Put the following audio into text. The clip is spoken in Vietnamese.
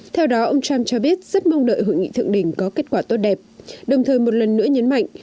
theo đó ông trump cho biết rất mong đợi hội nghị thượng đỉnh có kết quả tốt đẹp đồng thời một lần nữa nhấn mạnh